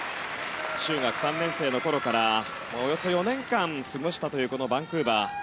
中学３年生の頃からおよそ４年間過ごしたというこのバンクーバー。